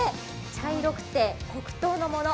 茶色くて黒糖のもの。